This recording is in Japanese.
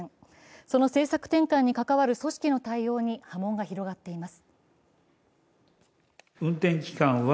その政策転換に関わる組織の対応に波紋が広がっています。